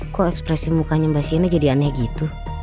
kok ekspresi mukanya mbak siana jadi aneh gitu